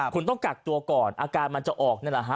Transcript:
คุณต้องกักตัวก่อนอาการมันจะออกนี่แหละฮะ